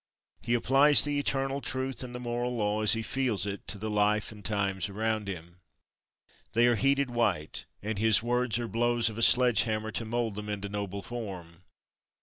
He applies the eternal truth and the moral law as he feels it to the life and times around him. They are heated white, and his words are blows of a sledge hammer to mould them into noble form.